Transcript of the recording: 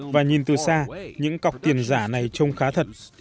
và nhìn từ xa những cọc tiền giả này trông khá thật